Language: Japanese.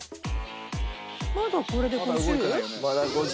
まだこれで５０？